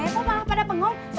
kok malah pada penghau